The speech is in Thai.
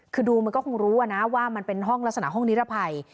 คือดูมันก็คงรู้นะว่ามันเป็นห้องลักษณะห้องนิรภัย